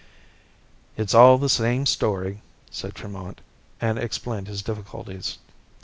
"It's all the same story," said Tremont, and explained his difficulties.